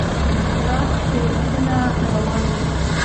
پراخ ښورښونه روان وو.